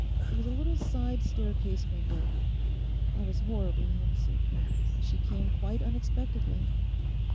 It was a little side staircase window; I was horribly homesick. And she came quite unexpectedly.